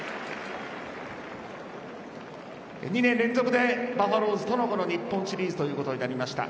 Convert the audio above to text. ２年連続でバファローズとの日本シリーズということになりました。